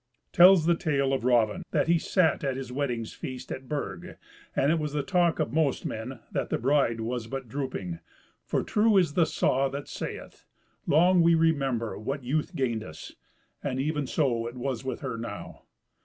Tells the tale of Raven, that he sat at his weddings feast at Burg, and it was the talk of most men that the bride was but drooping; for true is the saw that saith, "Long we remember what youth gained us," and even so it was with her now.